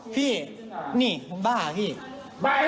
พี่นี่บ้าพี่